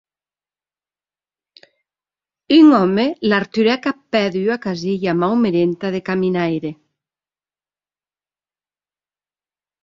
Es alumnes de Tersicore deuen èster grèus, es vòsti rigodons son doctrinaris.